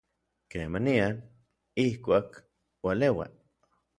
kemanian, ijkuak, ualeua